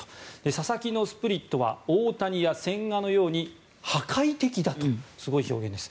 佐々木のスプリットは大谷や千賀のように破壊的だとすごい表現です。